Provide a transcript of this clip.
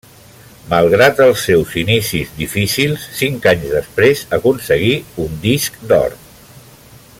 Malgrat els seus inicis difícils, cinc anys després aconseguí un disc d'or.